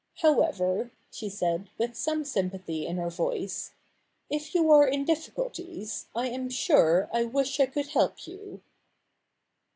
How ever,' she said, with some sympathy in her voice, ' If you are in difficulties, I am sure I wish I could help you.'